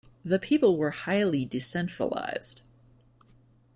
The people were highly decentralized.